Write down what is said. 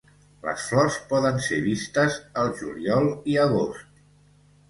Les flors poden ser vistes al juliol i agost.